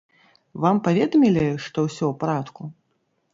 Вам паведамілі, што ўсё ў парадку?